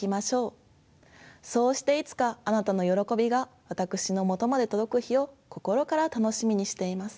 そうしていつかあなたのよろこびが私のもとまで届く日を心から楽しみにしています。